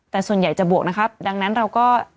แต่ส่วนใหญ่จะบวกนะครับดังนั้นเราก็